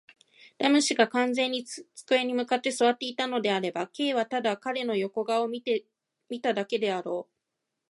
ラム氏が完全に机に向って坐っていたのであれば、Ｋ はただ彼の横顔を見ただけであろう。